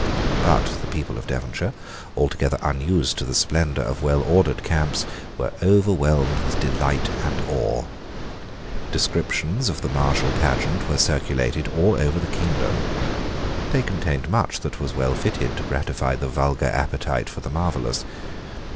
But the people of Devonshire, altogether unused to the splendour of well ordered camps, were overwhelmed with delight and awe. Descriptions of the martial pageant were circulated all over the kingdom. They contained much that was well fitted to gratify the vulgar appetite for the marvellous.